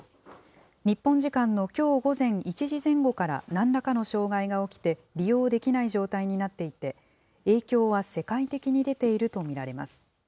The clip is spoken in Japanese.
日本時間のきょう午前１時前後からなんらかの障害が起きて、利用できない状態になっていて、影響は世界的に出ていると見られます。